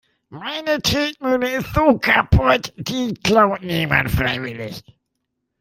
Meine Tretmühle ist so kaputt, die klaut niemand freiwillig.